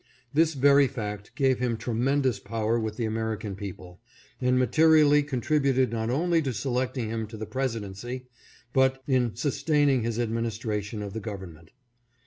This very fact gave him tremendous power with the American people, and materially contributed not only to selecting him to the presidency, but in sustaining his ad ministration of the government.